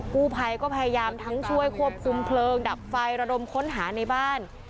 กู้ภัยก็พยายามทั้งช่วยควบคุมเพลิงดับไฟระดมค้นหาในบ้าน